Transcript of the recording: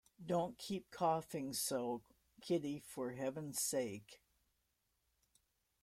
Don't keep coughing so, Kitty, for Heaven's sake!